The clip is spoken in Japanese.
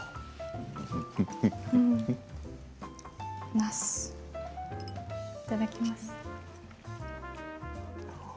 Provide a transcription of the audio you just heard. なすいただきます。